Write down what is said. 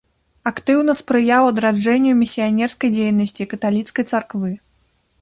Актыўна спрыяў адраджэнню місіянерскай дзейнасці каталіцкай царквы.